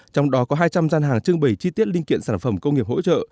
trong đó có hai trăm linh gian hàng trưng bày chi tiết linh kiện sản phẩm công nghiệp hỗ trợ